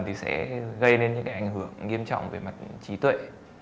thì sẽ gây nên những cái ảnh hưởng nghiêm trọng về mặt trí tuệ